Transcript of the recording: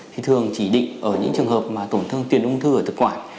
thì thường chỉ định ở những trường hợp mà tổn thương tiền ung thư ở thực quản